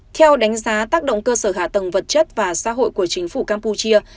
theo đánh giá tác động cơ sở hạ tầng vật chất và xã hội của chính phủ campuchia